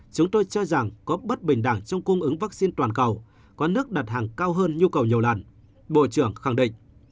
chúng tôi cho rằng có bất bình đẳng trong cung ứng vaccine toàn cầu có nước đặt hàng cao hơn nhu cầu nhiều lần bộ trưởng khẳng định